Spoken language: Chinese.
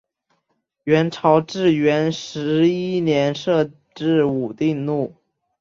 元朝至元十一年设置武定路。